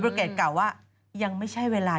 พี่ชอบแซงไหลทางอะเนาะ